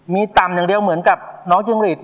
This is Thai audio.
มีตำอย่างเดียวเหมือนกับน้องจึงฤทธิ์